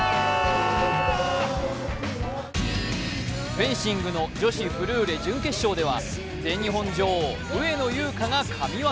フェンシングの女子フルーレ準決勝では全日本女王、上野優佳が神業。